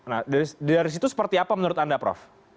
nah dari situ seperti apa menurut anda prof